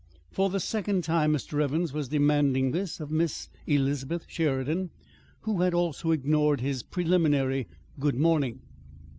For the second time Mr. Evans was demanding this of Miss Elizabeth Sheridan who had also ignored his preliminary "Good morning!"